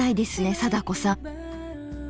貞子さん。